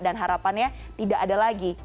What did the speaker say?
dan harapannya tidak ada lagi